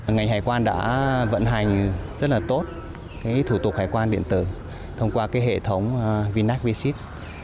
ngành hải quan đã vận hành rất là tốt thủ tục hải quan điện tử thông qua hệ thống vinack vsite